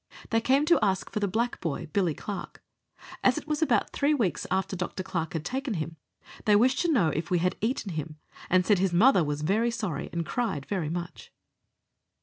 They came to ask for the black boy Billy Clarke. As it was about three weeks after Dr. Clarke had taken him, they wished to know if we had eaten him, and said his mother was very sorry and cried very much.